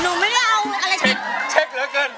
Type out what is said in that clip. หนูไม่ได้เอาอะไรเช็คเหลือเกิน